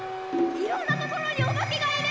いろんなところにおばけがいる！